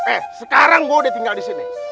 eh sekarang gua udah tinggal di sini